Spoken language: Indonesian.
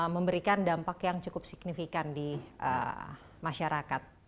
memberikan dampak yang cukup signifikan di masyarakat